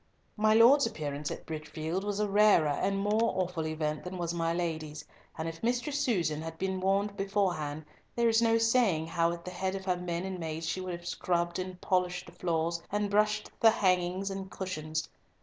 My Lord's appearance at Bridgefield was a rarer and more awful event than was my Lady's, and if Mistress Susan had been warned beforehand, there is no saying how at the head of her men and maids she would have scrubbed and polished the floors, and brushed the hangings and cushions.